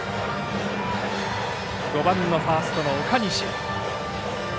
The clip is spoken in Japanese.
５番のファーストの岡西。